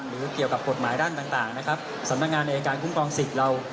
หรือเกี่ยวกับกฎหมายด้านต่างนะครับสำนักงานอายการคุ้มครองสิทธิ์เรา